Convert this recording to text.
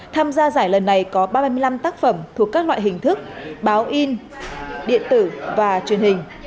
tham gia giải lần này có ba mươi năm tác phẩm thuộc các loại hình thức báo in điện tử và truyền hình